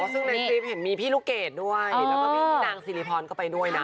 ซึ่งในคลิปเห็นมีพี่ลูกเกดด้วยแล้วก็มีพี่นางสิริพรก็ไปด้วยนะ